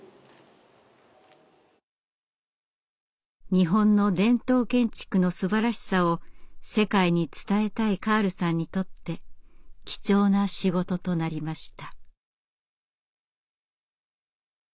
日本の伝統建築のすばらしさを世界に伝えたいカールさんにとって貴重な仕事となりました。